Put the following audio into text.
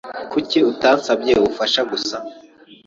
Kuki utansabye ubufasha gusa?